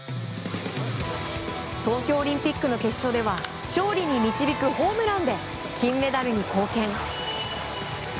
東京オリンピックの決勝では勝利に導くホームランで金メダルに貢献。